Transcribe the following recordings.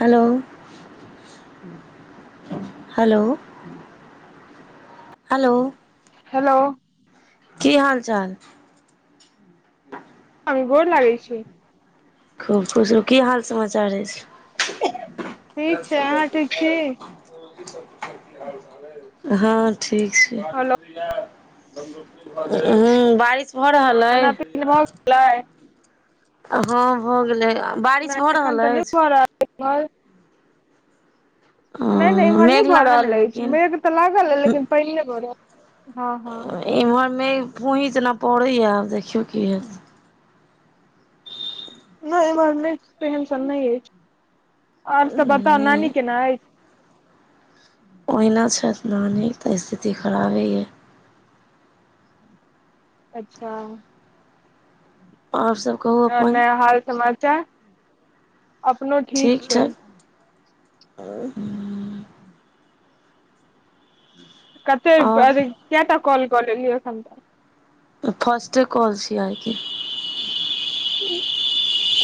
hello hello hello hello की हाल चाल मामी गोर लागै छी खूब खुश रहु की हाल समाचार अछि ठीक छै अहाँ ठीक छी हेलो हँ ठीक छै हुँ बारिश घरा पो ले खाना पीना भ गेलै हँ हो गेलै [unintelligible] नहि रहल एखन त न अछि भ रहले नहि नहि हँ एम्हर नहि मेघ भाए लागल अइ रहल अछि लेकिन मेघ त लागल अछि लेकिन पानए भरल हँ हँ एम्हरमे फूहि सन पड़ैय देखियौ की हे नहि एम्हर नहि तेहन सन नहि अछि आर सभ बता नानी नहि केना अछि ओहिना छैथ नानी तऽ स्थिति खराबे अऽ अच्छा आओर सब कहू आओ अपन न हाल समाचार ठीक छै कते आओर अे कैटा कॉल कऽ लेलीयै एखन तक ई फास्टे काँल छियै आइ के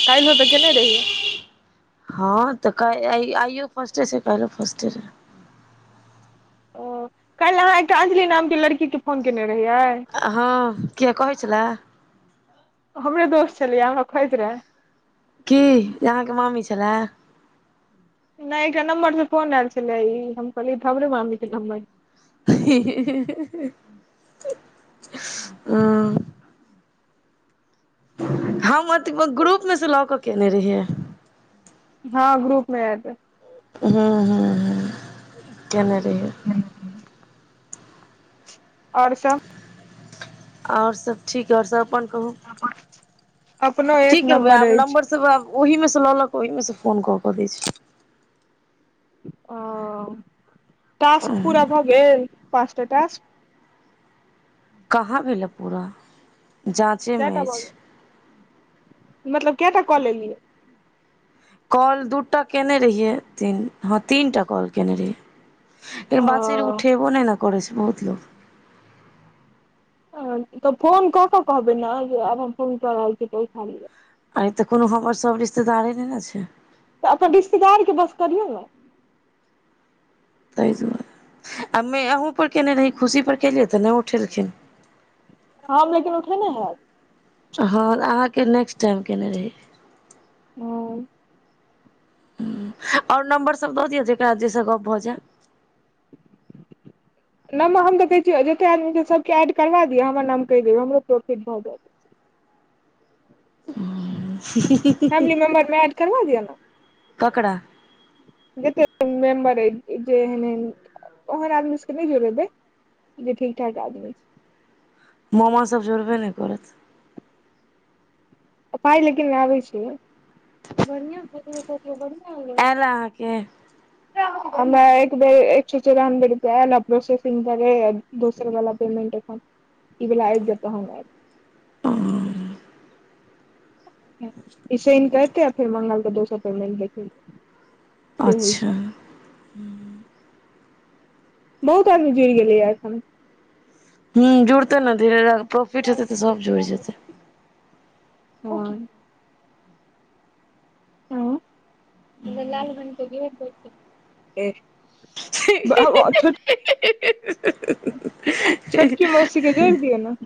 काल्हिओ तऽ केने रही हँ तऽ आइयो फर्स्टे छै काल्हिओ फर्स्टे रहै ओ काल्हि अहाँ एकटा अंजलि नामके लड़कीके फोन केने रहियै हँ किये कहै छले हमरे दोस्त छलैये हँसैत रहै की जे अहाँके मामी छलए नहि एकटा नम्बर से फोन आयल छलै ई हम कहलियै हमरे मामीे के नम्बर छियै ही ही ही ओ [inaudible] हम ओते ग्रुप मे से लऽ कऽ केने रहियै हँ ग्रुप मे एड अय हूंम्म हूंम्म हूंम्म केने रहियै [inaudible] और सब आओर सब ठीक अय आओर सब अपन कहू अपनो की एक करबै आब अछि नम्बर सब आब ओहि मे से लऽ लऽ कऽ ओहि मे से फोन कऽ कऽ दै छियै ओ टास्क पूरा भऽ गेल पाँचटा टास्क कहाँ भेलै पूरा जा कएटा भऽ गेल मतलब कैटा कऽ लेलियै कॉल दू टा कयने रहियै तीन हँ तीनटा कॉल कयने रहियै लेकिन ओ बात छै जे उठेबो नहि ना करै छै बहुत लोक तऽ फोन कऽ कऽ कहबै न जे आब हम फोन कऽ रहल छी तऽ उठा लेत आय तऽ कोनो हमर सभ रिश्तेदारे नहि ने छै तऽ अपन रिश्तेदार के बस करियौ ने ताहि दुआरे आ मे अहूँ पर कयने रही खुशीपर केलियै तऽ नहि उठेलखिन हम लेकिन उठेने हैब हँ अहाँके नेक्स्ट टाइम केने रही ओ आओर नम्बर सब दऽ दिय जेकरा जाहिसँ गप्प भऽ जे [inaudible] नंबर हम तऽ कहै छियै जेते आदमी छै सबके एड करबा दिअ हमर नाम कहि दियौ हमरो प्रोफिट भऽ जैत [inaudible] फैमिली मेंबरमे एड करबा दिय ने ककड़ा जते [unintelligible] मेम्बर अछि जे एहन एहन ओहन आदमी सबके नहि जोड़ेबै जे ठीक ठाक आदमी छै मामा सब जोड़बे नहि करत पाइ लेकिन आबै छै यै [inaudible] आयल अहाँके [inaudible] हमरा एक बेर एक सए चौरानबे रुपआ प्रोसेसिंग करे दोसर वला पेमेंट एखन ई बला आइब पैत तहन एत आ ईसइन करते आ फेर मंगल तऽ दो सो पेमेंट देख अच्छा बहुत आदमी जुड़ि गेलैए एखन ह जुड़तै ने धीरे ध प्रोफिट हतै तऽ सब जुइड़ जेतै हं हँ लाल बनट [unintelligible] [unintelligible] छोटकी मौसी के जोइर दिय न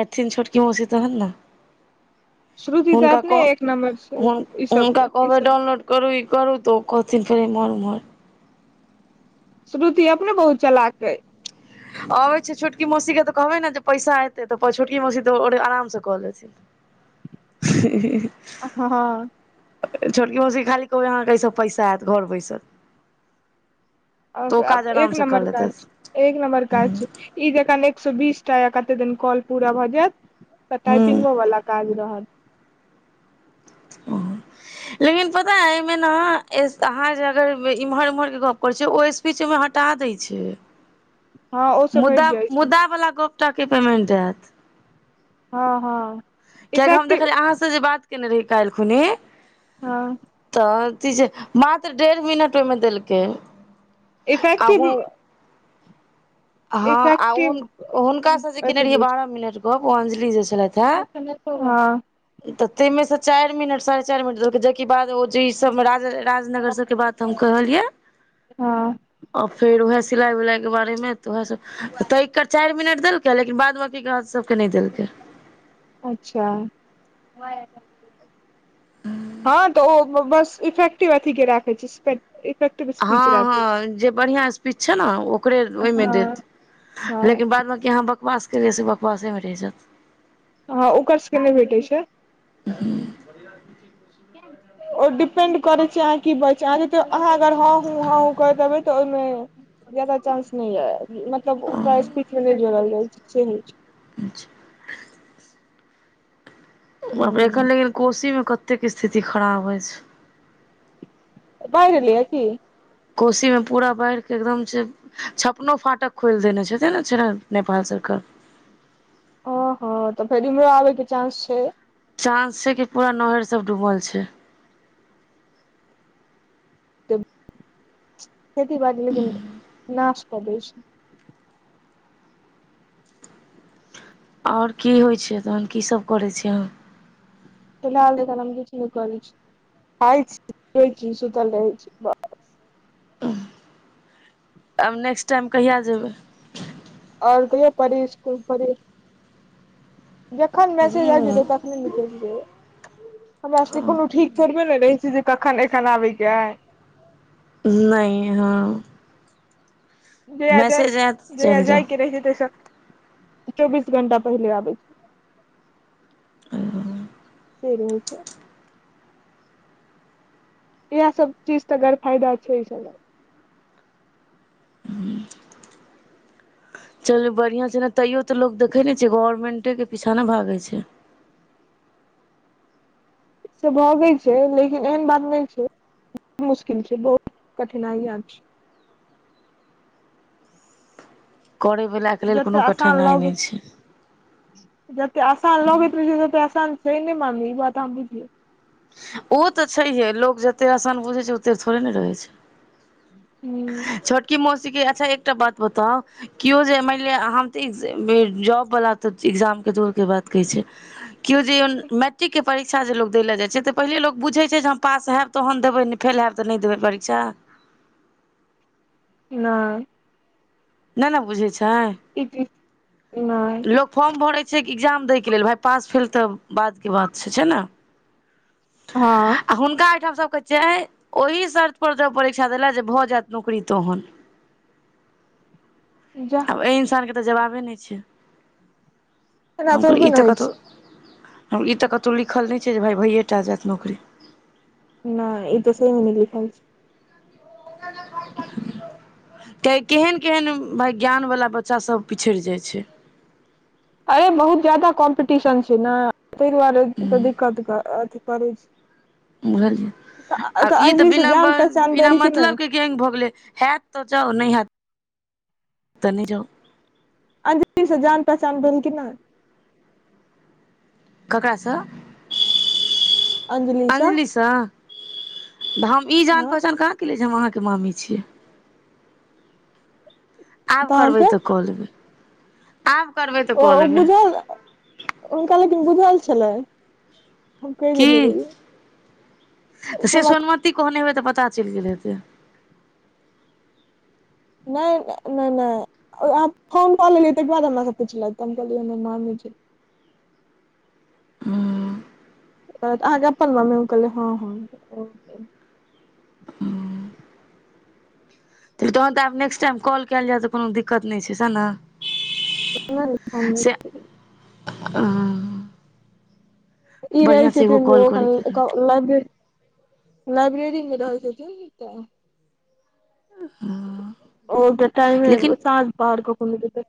एथिन छोटकी मोशी तहन न श्रुति तऽ हुनका अपने एक नम्बर छै कह ई हुनका सब ई कहबै सब डाउनलोड करू ई करू तऽ ओ कहथिन फेर इमहर उमहर श्रुति अपने बहुत चला केे अबै छै छोटकी मौसी के तऽ कहबे ने जे पैसा एते तऽ छोटकी मौसी त आराम से कऽ लेत [inaudible] हँँ छोटकी मौसी के खाली कहबै अहाँ एइस पैसा एत घर बैसल तऽ ओ काज आराम एक से कऽ नमबर लेतै कार एक नम्बर कार छै ई जकन एक सए बीस टा या कते दिन कॉल पूरा भए जायत त ह टाइपिंगो वला काज रहत ओ लेकिन पता अय एइमे ना अहाँ जे अगर इम्हर उम्हर के गप करै छिय ओहि हटा दै छै हँ ओ सब मुदा हटि जाइ छै मुदा वला गप टाके पेमेंट एत हँ हँ किएकि हम इफेक्टिव देखलियै अहाँसँ जे बात कयने रही काल्हिखुनी हँ तऽ मात्र डेढ़ मिनट ओइमे देलकै इफैक्टिव आ हँ आ इफेक्टिव हुन हुनका से जे केने रहिये अथी बारह मिनट गप ओ अंजलि जे छलथि हे [inaudible] तऽ तमे से चारि मिनट साढ़े चारि मिनट देलकै जेकि बाद ओ जे ई राजनगर सबके बात हम कहलियै हँ आ फेर उएह सिलाई उलाई के बारे में तऽ उएह त एक चारि मिनट देलक लेकिन बाद बाँकी के आहा सब के नहि देलकै अच्छा हँ तऽ ओ बस इफेक्टिव अथी के राखै छय [unintelligible] हँ हँ जे बढ़ियां स्पीच छै न ओकरे छै ओहिमे हँ देत हँ लेकिन बाद बां कि अहाँ बकवास केलियइ से बकबासेमे रहि जैत हँ ओकर सके नै भेटै छै हूँ ओ डिपेंड करइ छै अहाँ की बच छै अहाँ अहाँ अगर हँ ह हँ क देबै तऽ ओहिमे ज्यादा चांस नहि य मतलब ओकरा स्पीक मे नहि जोड़ल जाइ छै सेह होय छै अच्छा एखन लेकिन कोशी मे कतेक स्थिति खराब अछि बाढ़ एलय हन की कोशीमे पूरा बाढ़िके एकदम छै छपनो फाटक खोल देने छैे ने नेपाल सरकार ओ हँ तऽ फेर इमहरो आबे के चानंस छै चांस छै कि पूरा नहर सब डूबल छै तऽ खेती बाड़ी लेकिन नाश काय देय छै आओर की होइ छै तहन की सभ करै छिय अहाँ फिलहाल हम अखन किछु नहि करै छी खाइ छी पीये छी सुतल रहै छी बस आब नेक्स्ट टाइम कहिआ जेबै और कहियो पढ़ी स्कूल पढ़ी जखन मैसेज आ जेतै हूँ तखने निकेल जेबय हमरा सबके कोनो ठीक थोरबे नहि रहै छी जे कखन आबैक एय नहि हँ जहिया जा मैसेज आयत जहिया चलि जाय जाउ के रहे छै तेसँ चौबीस घंटा पहिले आबै छै आ से रहे छै इएह सब चीज तऽ गर फायदा छै इ सब लय क हू चलू बढ़िया छै ने तैयो तऽ लो देखे ने छै गवर्मेंटे के पीछा नऽ भागै छै से भगे छै लेकिन एहन बात नहि छै बहुत मुशकिल छै बहुत कठिनाईयाँ छै करयवाके लेल जते कोनो आसान कठिनाइ लगै नहि छै जते आसान लगैत रहै छै तते आसान छै ने मामी ई बात आहां बुझियो ओ तऽ छैहे लोक जते आसान बुझैत छै ओते थोड़े न रहै छैय हूँ छोटकी मौसी की अच्छा एकटा बात बताउ केओ जे मानि लिअ हम तऽ जॉबवला तऽ एग्जामके दूरके बात कहै छै केओ जे मैट्रिक के परीक्षा जे लोग देले जाइ छै तऽ पहिले लोक बुझै छै जे हम पास होयब तहन देबै नहि फेल होयब तऽ नहि देबै परीक्षा नहि नहि नऽ बुझै छैय नहि लोक फॉर्म भरै छै कि एकग्जाम दैके लेल भाइ पास भेल तऽ बादके बात से छै नऽ हँ आ हुनका एहिठाम सबके छै ओहि शर्त पर परीक्षा देल जाउ भऽ जायत नौकरी तोहन जा आब एहि इंसानके तऽ जवाबे नहि छै एना हम कहल थोड़बे ई ने तऽ होइ कतो ई तऽ कतहु लिखल नहि छै जे भााय भइएटा जायत नौकरी नहि ई त सेहो नहि लिखल छैय [inaudible] केहन केहन भाय ज्ञानवला बच्चासभ पिछड़ि जाइ छै अरे बहुत ज्यादा कॉम्पिटिशन छै नऽ ते दुआरे हूं तऽ दिक्कत अथि करै छै बुझलियै तऽ आब ई तऽ अंजलि से बिना जान पहचान बिना भेल कि नहि मतलब के गेंग भऽ गेलै हेत तऽ जाउ नय हेत तऽ नय जाउ अंजली स जान पहचान भेल कि न्य ककरास अंजलि से अञ्जलिसँ तऽ हम ई जान हँ पहचान कहाँ केलिय जे हम अहाँके मामी छीयै आब तहन करबै फेर तऽ क लेबै आब करबै तऽ ओ क ओ लेबै बुझल हुनका लेकिन बुझल छलै हम कहि की देने रहियै ओ तऽ से हमरा सोनमती कहने होय तऽ पता चलि गेल हेतै नय नय नय ओ अहाँ फोन कऽ लेलियै तइ के बाद हमरा स पुछलक त हम कहलियै नै मामी छै अहाँके अपन मामी कहलै हँ हँ त तहन तऽ आब नेक्स्ट टाइम कॉल कयल जाय तऽ कोनो दिक्कत नय छै सेह न से हं ई रहय छथिन त ओ ओ लब लाइब्रेरीमे रहै छथिन तऽ ओ त टाइमे लेकिन साँझ बाहर कऽ घुमइत हेतइ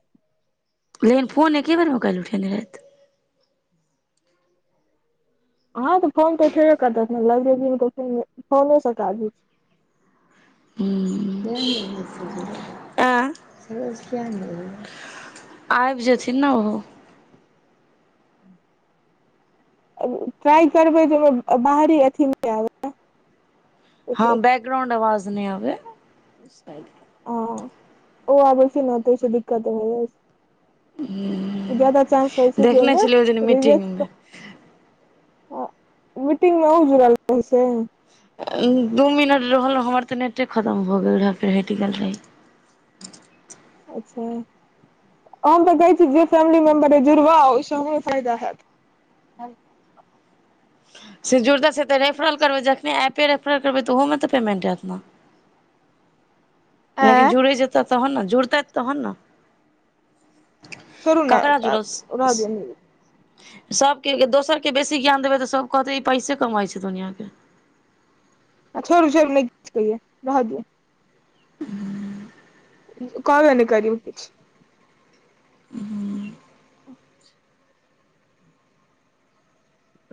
लेकिन फोन एके बेरमे काल्हि उठेने रहथि हँं तऽ फोन तऽ उठेबे करतथ न लाइब्रेबी में त फेन फोने स काज होइ छइ हँ ऐं आइब जेथिन ने ओहो ट्राइ करबै जे बाहरी अथी नइ आबै हँ बैकग्राउंड आवाज नइ आबै हं ओ आबै छै न तऽ आइ स दिक्कत हो जाइ छै जायदा चांस रहै छै देखने छलियै ओहि दिन जाहिमे रिज्ट मीटिंगमे मीटिंग मे अहु जुड़ल रहै छै दू मिनट रहल हमर तऽ नेटे खतम भऽ गेल रहै फेर हटि गेल रही अच्छा हम तऽ कहै छी जे फैमिली मेम्बर अय जुड़बा ओहिसँ हमरो फायदा हैत से जुरता से तऽ रेफरल करबै जखने एपे रेफरल करबै तऽ ओमे त पमेन्ट हयत न लेकिन आँय जुड़ै जेता तहन न जुड़तेथ तहन ना छोरु नय अ रहय दियउ सबके दोसरके बेसी ज्ञान देबै तऽ सब कहतै ई पैसे कमाइ छै दुनिआँके आ छोड़ू छोरू नय किछ कहिय रहऽ दियउ हूँ कहबे नय करियउ किछ हँ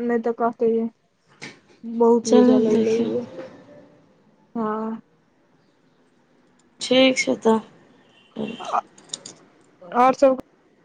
नय तऽ कहते है बहुत चलू बुझा लगलै देखियौ ये हँ ठीक छै तऽ आओर सब